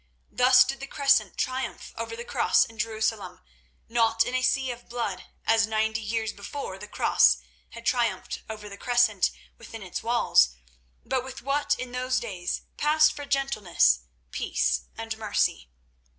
Thus did the Crescent triumph aver the Cross in Jerusalem, not in a sea of blood, as ninety years before the Cross had triumphed over the Crescent within its walls, but with what in those days passed for gentleness, peace, and mercy.